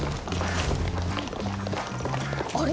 あれ？